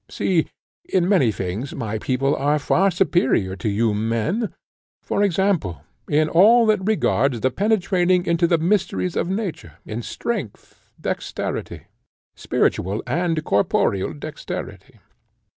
See; in many things my people are far superior to you men; for example in all that regards the penetrating into the mysteries of nature, in strength, dexterity, spiritual and corporeal dexterity.